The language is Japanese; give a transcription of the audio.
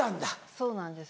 そうなんです。